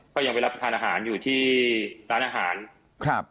ก็ยังไปรับทานอาหารอยู่ที่ร้านอาหาร